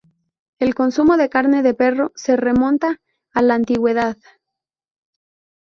El consumo de carne de perro se remonta a la antigüedad.